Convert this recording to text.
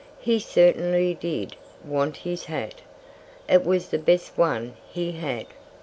He certainly did want his hat. It was the best one he had.